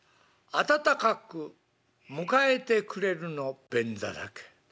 「温かく迎えてくれるの便座だけ」。